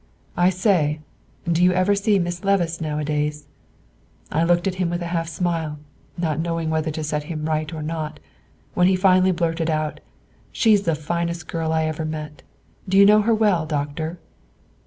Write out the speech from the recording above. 'I say, do you ever see Miss Levice nowadays?' I looked at him with a half smile, not knowing whether to set him right or not, when he finally blurted out, 'She's the finest girl I ever met. Do you know her well, Doctor?